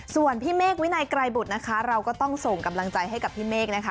ส่วนพี่เมฆวินัยไกรบุตรนะคะเราก็ต้องส่งกำลังใจให้กับพี่เมฆนะคะ